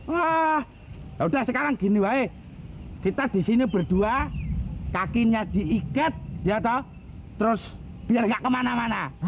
ah udah sekarang gini wae kita disini berdua kakinya diikat ya toh terus biar gak kemana mana